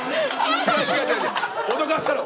脅かしたろ。